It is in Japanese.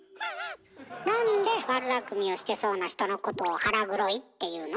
なんで悪だくみをしてそうな人のことを腹黒いっていうの？